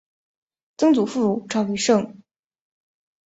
曾祖父赵愈胜。